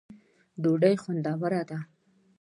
ډوډۍ خوندوره ده